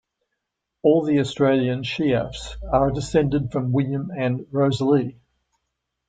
All the Australian Sheaffes are descended from William and Rosalie.